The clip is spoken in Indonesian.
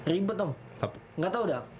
ribet om nggak tau dah